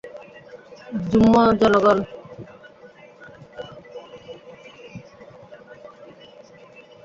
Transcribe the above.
জুম্ম জনগণ নির্বাচনের মাধ্যমে চুক্তি বাস্তবায়ন নিয়ে সরকারের টালবাহানার জবাব দিয়েছে।